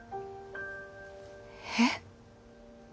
えっ？